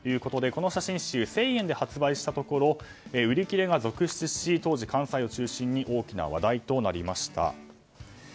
この写真集１０００円で発売したところ売り切れが続出し当時、関西を中心に大きな話題となりました。